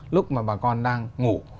lúc mà bà con đang ngủ